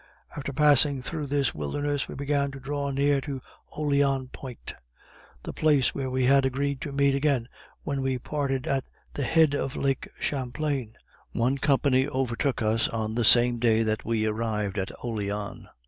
After passing through this wilderness, we began to draw near to Oleann Point, the place where we had agreed to meet again when we parted at the head of lake Champlain. One company overtook us on the same day that we arrived at Oleann.